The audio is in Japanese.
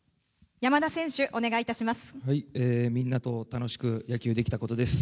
源田選手、お願いいたします。